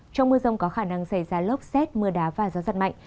trong mưa rông có khả năng xảy ra lốc xét mưa đá và gió giật mạnh